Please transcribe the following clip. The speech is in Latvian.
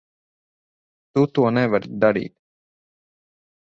Tu to nevari darīt.